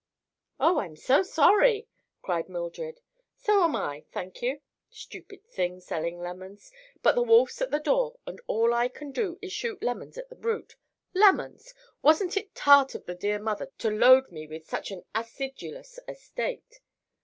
"Oh, I'm so sorry!" cried Mildred. "So am I, thank you. Stupid thing, selling lemons. But the wolf's at the door and all I can do is shoot lemons at the brute. Lemons! Wasn't it tart of the dear mother to load me with such an acidulous estate?